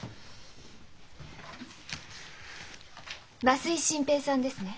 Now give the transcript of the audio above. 増井新平さんですね？